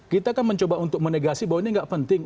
kita kan mencoba untuk menegasi bahwa ini nggak penting